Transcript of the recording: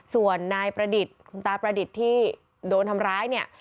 ส่วนนายประดิษฐ์คุณตาประดิษฐ์ที่โดนทำร้ายเนี่ย